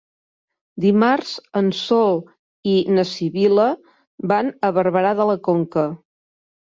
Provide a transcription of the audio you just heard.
Dimarts en Sol i na Sibil·la van a Barberà de la Conca.